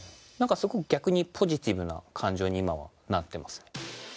すごい逆にポジティブな感情になっています。